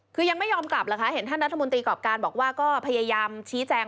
คือยังไม่ยอมกลับเหรอคะเห็นท่านรัฐมนตรีกรอบการบอกว่าก็พยายามชี้แจง